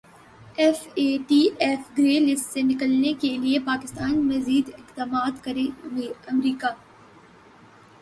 F A T F grey list سے نکلنے کیلئے پاکستان مزید اقدامات کرے امریکا